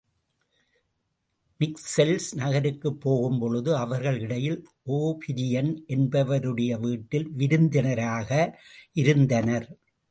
மிக்செல்ஸ் நகருக்குப் போகும் பொழுது அவர்கள் இடையில் ஒபிரியன் என்பருடைய வீட்டில் விருந்தினராக இருந்தனர்.